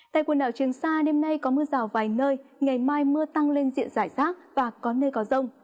tại quần đảo trường sa đêm nay có mưa rào vài nơi ngày mai mưa tăng lên diện giải rác và có nơi có rông